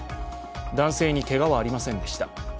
男性にけがはありませんでした。